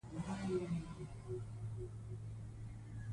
قانون د ادارې کړنې سموي.